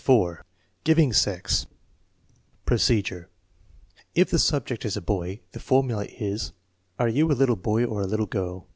IE, 4. Giving sex Procedure. If the subject is a boy, the formula is: "Are you a little boy or a little girl?"